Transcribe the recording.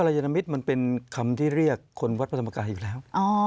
ยนมิตรมันเป็นคำที่เรียกคนวัดพระธรรมกายอยู่แล้ว